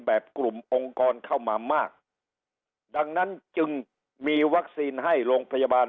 กลุ่มองค์กรเข้ามามากดังนั้นจึงมีวัคซีนให้โรงพยาบาล